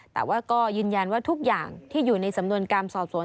แต่ว่าก็ยืนยันว่าทุกอย่างที่อยู่ในสำนวนการสอบสวน